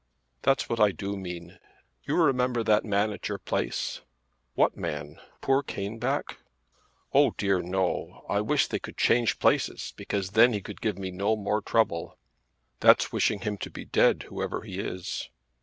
"That's what I do mean. You remember that man at your place?" "What man? Poor Caneback?" "Oh dear no! I wish they could change places because then he could give me no more trouble." "That's wishing him to be dead, whoever he is."